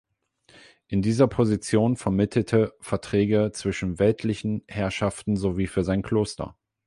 In dieser Position vermittelte Verträge zwischen weltlichen Herrschaften sowie für sein Kloster.